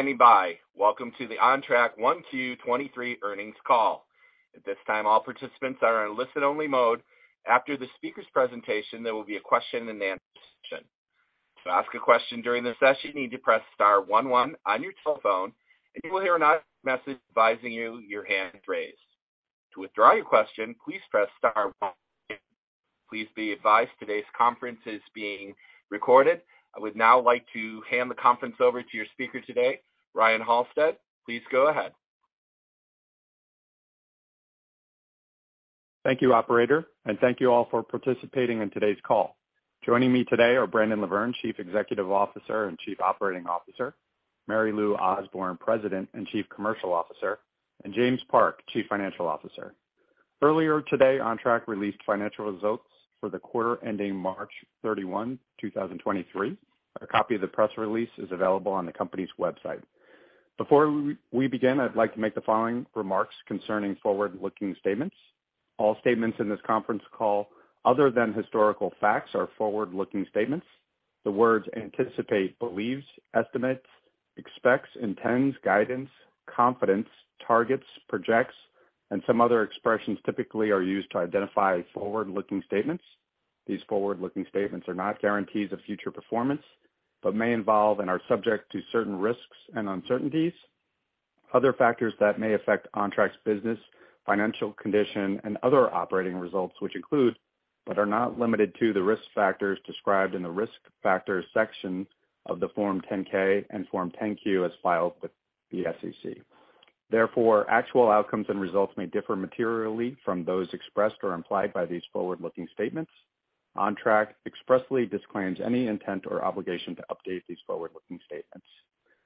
Good day. Thank you for standing by. Welcome to the Ontrak 1Q 2023 earnings call. At this time, all participants are in listen only mode. After the speaker's presentation, there will be a question and answer session. To ask a question during the session, you need to press star one, one on your telephone, and you will hear a recorded message advising you your hand is raised. To withdraw your question, please press star one. Please be advised today's conference is being recorded. I would now like to hand the conference over to your speaker today, Ryan Halsted. Please go ahead. Thank you, operator. Thank you all for participating in today's call. Joining me today are Brandon LaVerne, Chief Executive Officer and Chief Operating Officer, Mary Lou Osborne, President and Chief Commercial Officer, and James Park, Chief Financial Officer. Earlier today, Ontrak released financial results for the quarter ending March 31, 2023. A copy of the press release is available on the company's website. Before we begin, I'd like to make the following remarks concerning forward-looking statements. All statements in this conference call other than historical facts are forward-looking statements. The words anticipate, believes, estimates, expects, intends, guidance, confidence, targets, projects and some other expressions typically are used to identify forward-looking statements. These forward-looking statements are not guarantees of future performance, but may involve and are subject to certain risks and uncertainties. Other factors that may affect Ontrak's business, financial condition and other operating results, which include, but are not limited to the risk factors described in the Risk Factors section of the Form 10-K and Form 10-Q as filed with the SEC. Actual outcomes and results may differ materially from those expressed or implied by these forward-looking statements. Ontrak expressly disclaims any intent or obligation to update these forward-looking statements.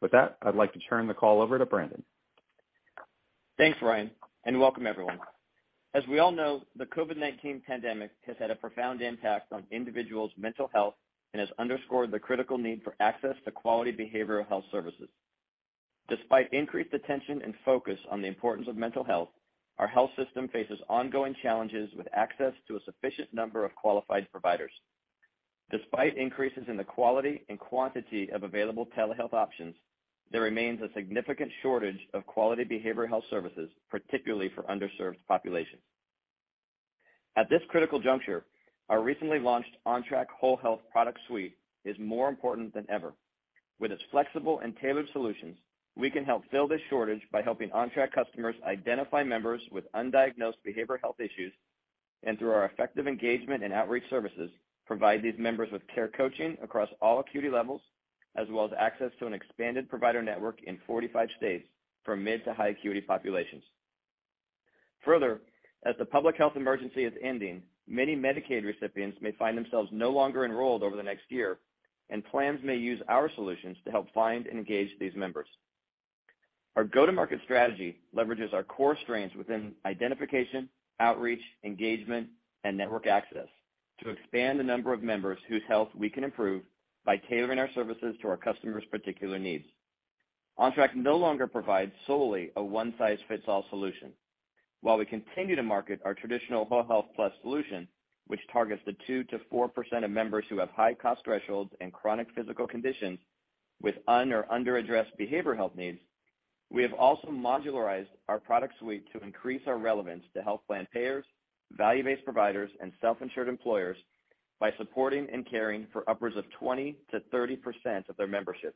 With that, I'd like to turn the call over to Brandon. Thanks, Ryan, welcome everyone. As we all know, the COVID-19 pandemic has had a profound impact on individuals' mental health and has underscored the critical need for access to quality behavioral health services. Despite increased attention and focus on the importance of mental health, our health system faces ongoing challenges with access to a sufficient number of qualified providers. Despite increases in the quality and quantity of available telehealth options, there remains a significant shortage of quality behavioral health services, particularly for underserved populations. At this critical juncture, our recently launched Ontrak WholeHealth product suite is more important than ever. With its flexible and tailored solutions, we can help fill this shortage by helping Ontrak customers identify members with undiagnosed behavioral health issues and through our effective engagement and outreach services, provide these members with care coaching across all acuity levels, as well as access to an expanded provider network in 45 states for mid to high acuity populations. As the public health emergency is ending, many Medicaid recipients may find themselves no longer enrolled over the next year, and plans may use our solutions to help find and engage these members. Our go-to-market strategy leverages our core strengths within identification, outreach, engagement, and network access to expand the number of members whose health we can improve by tailoring our services to our customers' particular needs. Ontrak no longer provides solely a one size fits all solution. While we continue to market our traditional WholeHealth+ solution, which targets the 2%-4% of members who have high cost thresholds and chronic physical conditions with un- or under-addressed behavioral health needs, we have also modularized our product suite to increase our relevance to health plan payers, value-based providers and self-insured employers by supporting and caring for upwards of 20%-30% of their membership.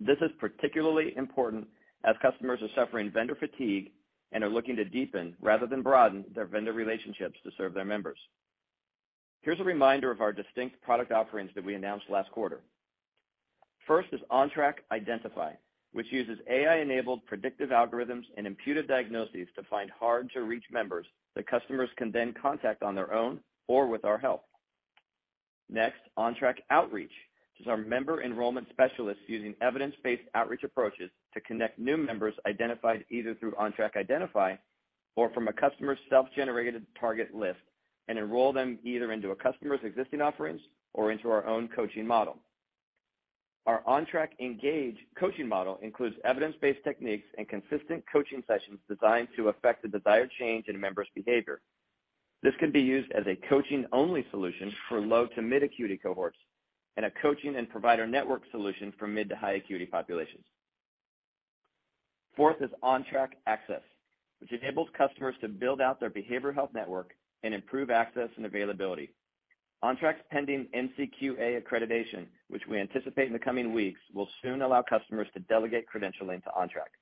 This is particularly important as customers are suffering vendor fatigue and are looking to deepen rather than broaden their vendor relationships to serve their members. Here's a reminder of our distinct product offerings that we announced last quarter. First is Ontrak Identify, which uses AI-enabled predictive algorithms and imputed diagnoses to find hard-to-reach members that customers can then contact on their own or with our help. Next, Ontrak Outreach is our member enrollment specialists using evidence-based outreach approaches to connect new members identified either through Ontrak Identify or from a customer's self-generated target list and enroll them either into a customer's existing offerings or into our own coaching model. Our Ontrak Engage coaching model includes evidence-based techniques and consistent coaching sessions designed to affect the desired change in a member's behavior. This can be used as a coaching-only solution for low to mid acuity cohorts and a coaching and provider network solution for mid to high acuity populations. Fourth is Ontrak Access, which enables customers to build out their behavioral health network and improve access and availability. Ontrak's pending NCQA accreditation, which we anticipate in the coming weeks, will soon allow customers to delegate credentialing to Ontrak.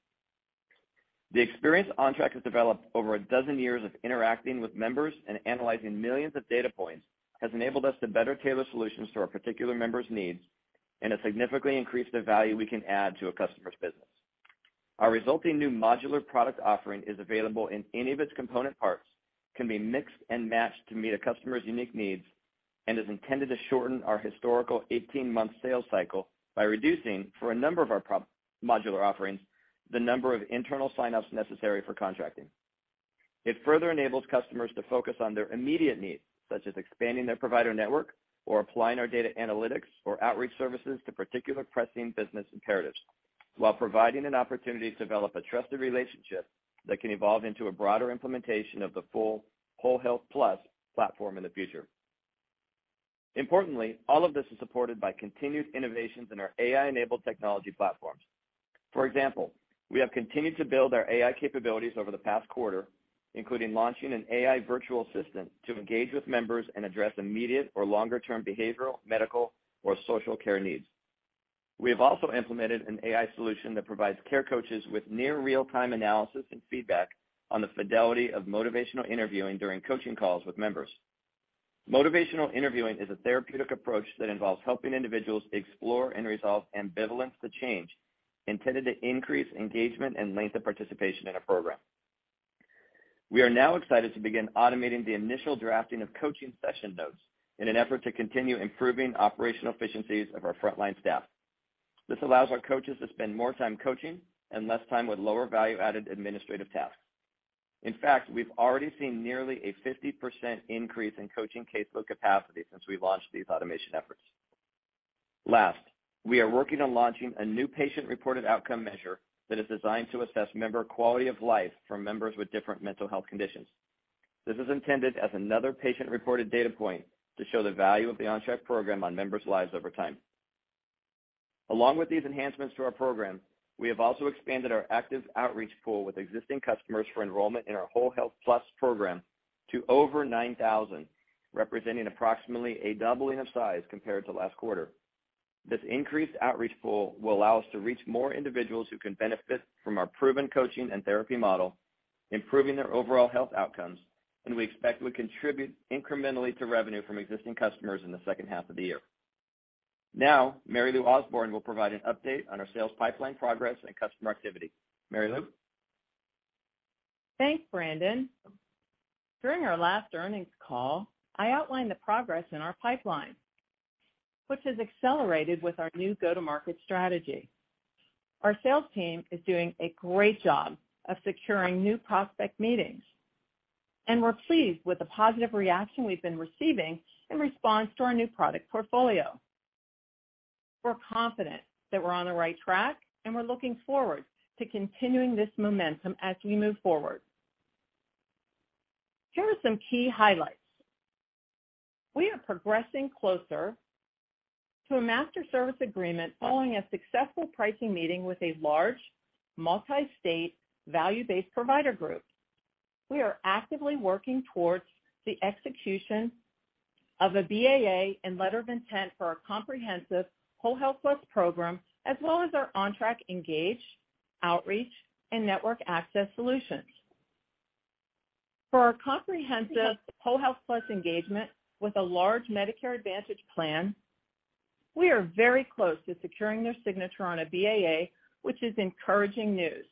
The experience Ontrak has developed over 12 years of interacting with members and analyzing millions of data points has enabled us to better tailor solutions to our particular members' needs and has significantly increased the value we can add to a customer's business. Our resulting new modular product offering is available in any of its component parts, can be mixed and matched to meet a customer's unique needs, and is intended to shorten our historical 18-month sales cycle by reducing, for a number of our modular offerings, the number of internal sign-ups necessary for contracting. It further enables customers to focus on their immediate needs, such as expanding their provider network or applying our data analytics or outreach services to particular pressing business imperatives while providing an opportunity to develop a trusted relationship that can evolve into a broader implementation of the full WholeHealth+ platform in the future. Importantly, all of this is supported by continued innovations in our AI-enabled technology platforms. For example, we have continued to build our AI capabilities over the past quarter, including launching an AI virtual assistant to engage with members and address immediate or longer-term behavioral, medical, or social care needs. We have also implemented an AI solution that provides care coaches with near real-time analysis and feedback on the fidelity of motivational interviewing during coaching calls with members. Motivational interviewing is a therapeutic approach that involves helping individuals explore and resolve ambivalence to change, intended to increase engagement and length of participation in a program. We are now excited to begin automating the initial drafting of coaching session notes in an effort to continue improving operational efficiencies of our frontline staff. This allows our coaches to spend more time coaching and less time with lower value-added administrative tasks. In fact, we've already seen nearly a 50% increase in coaching caseload capacity since we launched these automation efforts. Last, we are working on launching a new patient-reported outcome measure that is designed to assess member quality of life for members with different mental health conditions. This is intended as another patient-reported data point to show the value of the Ontrak program on members' lives over time. Along with these enhancements to our program, we have also expanded our active outreach pool with existing customers for enrollment in our WholeHealth+ program to over 9,000, representing approximately a doubling of size compared to last quarter. This increased outreach pool will allow us to reach more individuals who can benefit from our proven coaching and therapy model, improving their overall health outcomes, and we expect to contribute incrementally to revenue from existing customers in the second half of the year. Mary Lou Osborne will provide an update on our sales pipeline progress and customer activity. Mary Lou? Thanks, Brandon. During our last earnings call, I outlined the progress in our pipeline, which has accelerated with our new go-to-market strategy. Our sales team is doing a great job of securing new prospect meetings, and we're pleased with the positive reaction we've been receiving in response to our new product portfolio. We're confident that we're on the right track, and we're looking forward to continuing this momentum as we move forward. Here are some key highlights. We are progressing closer to a master service agreement following a successful pricing meeting with a large multi-state value-based provider group. We are actively working towards the execution of a BAA and letter of intent for our comprehensive WholeHealth+ program, as well as our Ontrak Engage, Outreach, and Network Access solutions. For our comprehensive WholeHealth+ engagement with a large Medicare Advantage plan, we are very close to securing their signature on a BAA, which is encouraging news.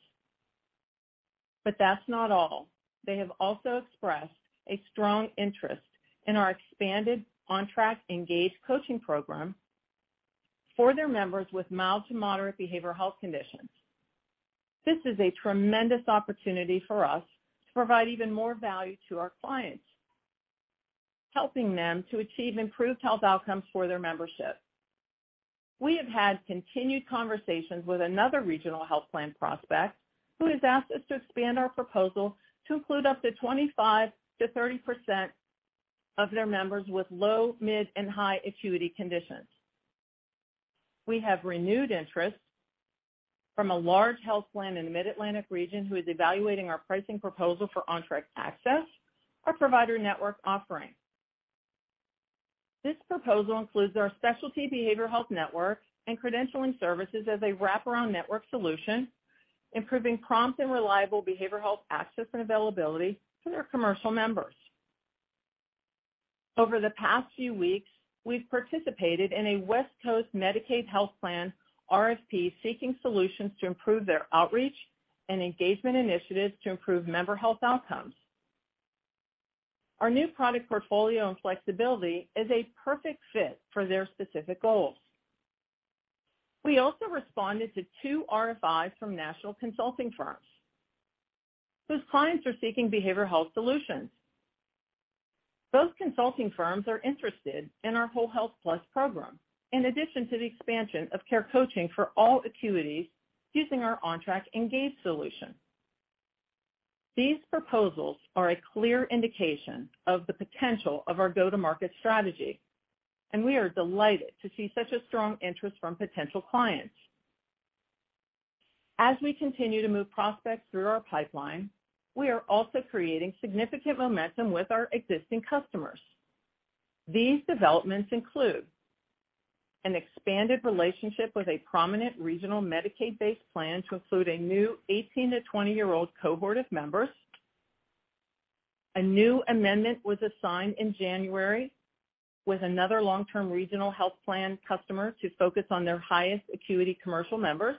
That's not all. They have also expressed a strong interest in our expanded Ontrak Engage coaching program for their members with mild to moderate behavioral health conditions. This is a tremendous opportunity for us to provide even more value to our clients, helping them to achieve improved health outcomes for their membership. We have had continued conversations with another regional health plan prospect who has asked us to expand our proposal to include up to 25%-30% of their members with low, mid, and high acuity conditions. We have renewed interest from a large health plan in the Mid-Atlantic region who is evaluating our pricing proposal for Ontrak Access, our provider network offering. This proposal includes our specialty behavioral health network and credentialing services as a wraparound network solution, improving prompt and reliable behavioral health access and availability to their commercial members. Over the past few weeks, we've participated in a West Coast Medicaid health plan RFP seeking solutions to improve their outreach and engagement initiatives to improve member health outcomes. Our new product portfolio and flexibility is a perfect fit for their specific goals. We also responded to two RFIs from national consulting firms, whose clients are seeking behavioral health solutions. Both consulting firms are interested in our WholeHealth+ program, in addition to the expansion of care coaching for all acuities using our Ontrak Engage solution. These proposals are a clear indication of the potential of our go-to-market strategy, and we are delighted to see such a strong interest from potential clients. As we continue to move prospects through our pipeline, we are also creating significant momentum with our existing customers. These developments include an expanded relationship with a prominent regional Medicaid-based plan to include a new 18 to 20-year-old cohort of members. A new amendment was assigned in January with another long-term regional health plan customer to focus on their highest acuity commercial members.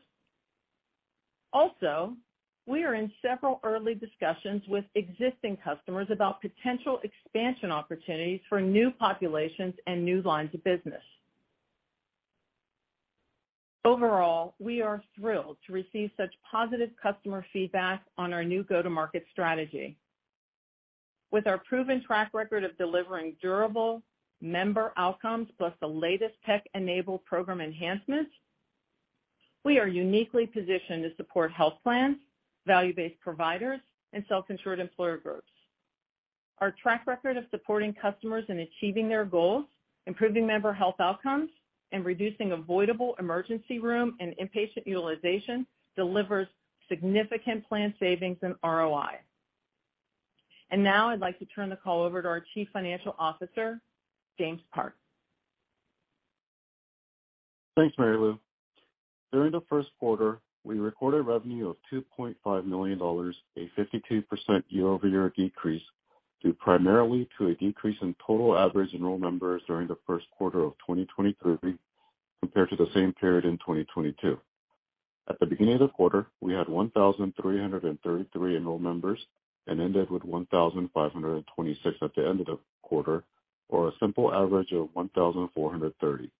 We are in several early discussions with existing customers about potential expansion opportunities for new populations and new lines of business. Overall, we are thrilled to receive such positive customer feedback on our new go-to-market strategy. With our proven track record of delivering durable member outcomes, plus the latest tech-enabled program enhancements. We are uniquely positioned to support health plans, value-based providers, and self-insured employer groups. Our track record of supporting customers in achieving their goals, improving member health outcomes, and reducing avoidable emergency room and inpatient utilization delivers significant plan savings and ROI. Now I'd like to turn the call over to our Chief Financial Officer, James Park. Thanks, Mary Lou. During the Q1, we recorded revenue of $2.5 million, a 52% year-over-year decrease due primarily to a decrease in total average enrolled members during the Q1 of 2023 compared to the same period in 2022. At the beginning of the quarter, we had 1,333 enrolled members and ended with 1,526 at the end of the quarter, or a simple average of 1,430.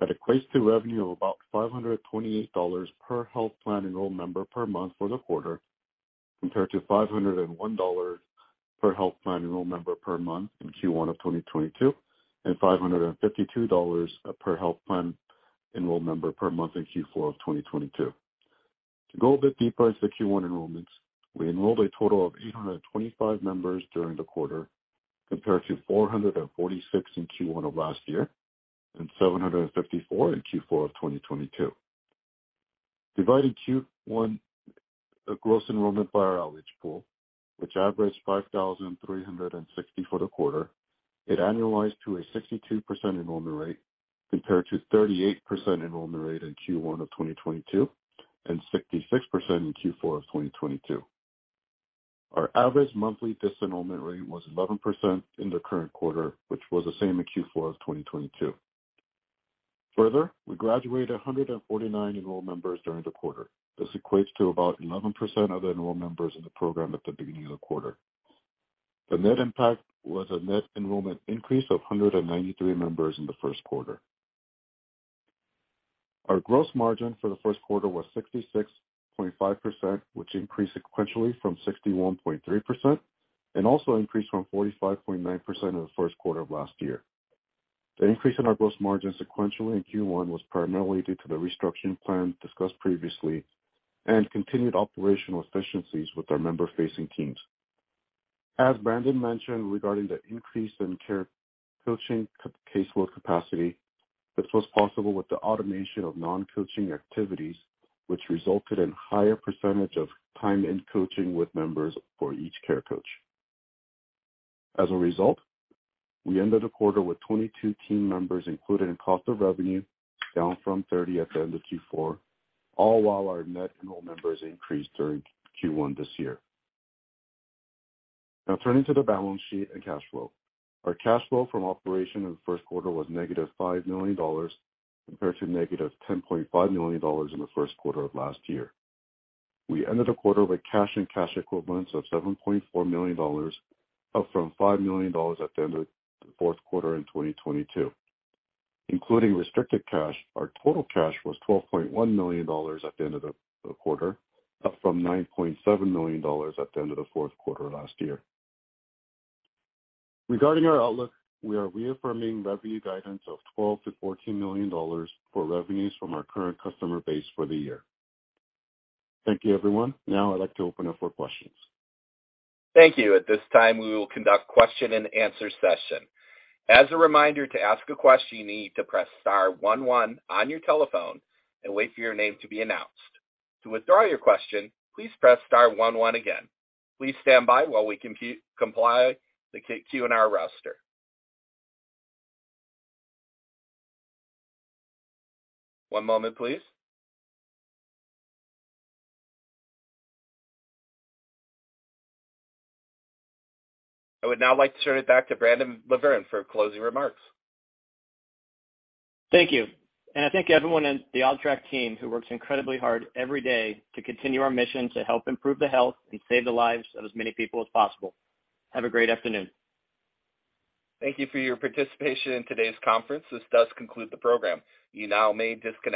That equates to revenue of about $528 per health plan enrolled member per month for the quarter, compared to $501 per health plan enrolled member per month in Q1 of 2022, and $552 per health plan enrolled member per month in Q4 of 2022. To go a bit deeper into the Q1 enrollments, we enrolled a total of 825 members during the quarter, compared to 446 in Q1 of last year and 754 in Q4 of 2022. Dividing Q1 gross enrollment by our outreach pool, which averaged 5,360 for the quarter, it annualized to a 62% enrollment rate, compared to 38% enrollment rate in Q1 of 2022 and 66% in Q4 of 2022. Our average monthly disenrollment rate was 11% in the current quarter, which was the same in Q4 of 2022. We graduated 149 enrolled members during the quarter. This equates to about 11% of the enrolled members in the program at the beginning of the quarter. The net impact was a net enrollment increase of 193 members in the Q1. Our gross margin for the Q1 was 66.5%, which increased sequentially from 61.3% and also increased from 45.9% in the Q1 of last year. The increase in our gross margin sequentially in Q1 was primarily due to the restructuring plan discussed previously and continued operational efficiencies with our member-facing teams. As Brandon mentioned regarding the increase in care coaching caseload capacity, this was possible with the automation of non-coaching activities, which resulted in higher % of time in coaching with members for each care coach. As a result, we ended the quarter with 22 team members included in cost of revenue, down from 30 at the end of Q4, all while our net enrolled members increased during Q1 this year. Turning to the balance sheet and cash flow. Our cash flow from operation in the Q1 was -$5 million, compared to -$10.5 million in the Q1 of last year. We ended the quarter with cash and cash equivalents of $7.4 million, up from $5 million at the end of the Q4 in 2022. Including restricted cash, our total cash was $12.1 million at the end of the quarter, up from $9.7 million at the end of the Q4 last year. Regarding our outlook, we are reaffirming revenue guidance of $12 million-$14 million for revenues from our current customer base for the year. Thank you, everyone. I'd like to open up for questions. Thank you. At this time, we will conduct question and answer session. As a reminder, to ask a question, you need to press star one one on your telephone and wait for your name to be announced. To withdraw your question, please press star one one again. Please stand by while we comply the Q&R roster. One moment, please. I would now like to turn it back to Brandon LaVerne for closing remarks. Thank you. I thank everyone in the Ontrak team who works incredibly hard every day to continue our mission to help improve the health and save the lives of as many people as possible. Have a great afternoon. Thank you for your participation in today's conference. This does conclude the program. You now may disconnect.